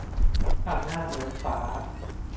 อำนาจล้นฟ้า